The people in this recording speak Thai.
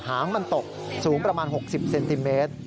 หางมันตกสูงประมาณ๖๐เซนติเมตร